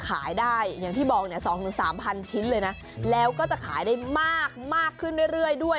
ขายได้อย่างที่บอกเนี่ย๒๓๐๐ชิ้นเลยนะแล้วก็จะขายได้มากมากขึ้นเรื่อยด้วย